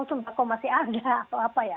sumpah kok masih ada atau apa ya